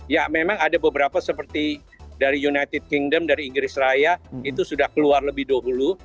ya memang ada beberapa seperti dari united kingdom dari inggris raya itu sudah keluar lebih dahulu